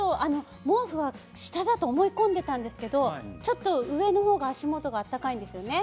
毛布は下だと思い込んでいたんですけどちょっと上の方が足元は温かいんですよね。